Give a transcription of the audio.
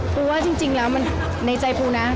ปูว่าจริงแล้วมันในใจปูนะ